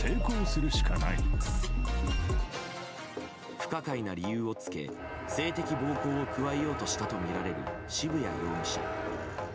不可解な理由をつけ性的暴行を加えようとしたとみられる渋谷容疑者。